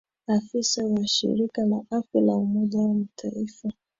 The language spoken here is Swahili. afisa wa shirika la afya la umoja wa mataifa